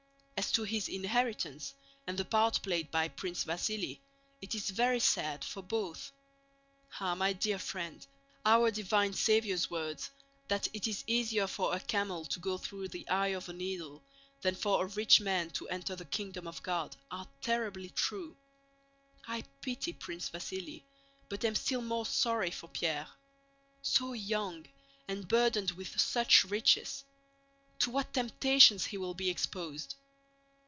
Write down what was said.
As to his inheritance and the part played by Prince Vasíli, it is very sad for both. Ah, my dear friend, our divine Saviour's words, that it is easier for a camel to go through the eye of a needle than for a rich man to enter the Kingdom of God, are terribly true. I pity Prince Vasíli but am still more sorry for Pierre. So young, and burdened with such riches—to what temptations he will be exposed!